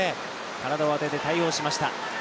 体を当てて対応しました。